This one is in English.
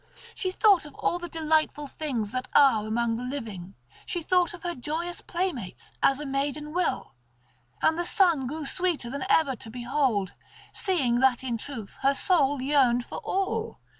She thought of all the delightful things that are among the living, she thought of her joyous playmates, as a maiden will; and the sun grew sweeter than ever to behold, seeing that in truth her soul yearned for all.